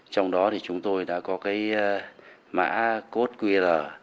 trong đó chúng tôi đã có mã code qr